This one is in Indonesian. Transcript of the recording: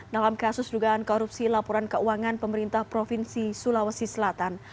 dalam kasus dugaan korupsi laporan keuangan pemerintah provinsi sulawesi selatan